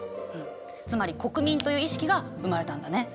つまり国民という意識が生まれたんだね。